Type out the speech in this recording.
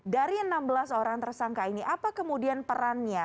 dari enam belas orang tersangka ini apa kemudian perannya